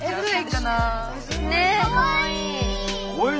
かわいい！